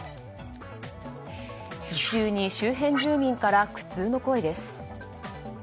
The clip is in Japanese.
異臭に周辺住民から苦痛の声です。